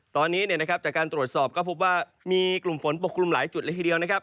ตอนนี้จากการตรวจสอบก็พบว่ามีกลุ่มฝนปกคลุมหลายจุดเลยทีเดียวนะครับ